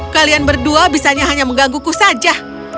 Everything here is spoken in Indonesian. kalian berdua bisanya hanya menggangguku saja